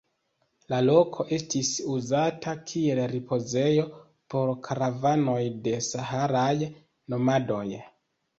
La loko estis uzata kiel ripozejo por karavanoj de saharaj nomadoj.